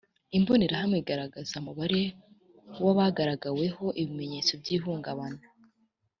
imbonerahamwe igaragaza umubare w abagaragaweho ibimenyetso by ihungabana